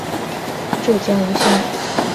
浙江吴兴人。